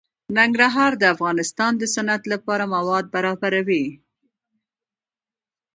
ننګرهار د افغانستان د صنعت لپاره مواد برابروي.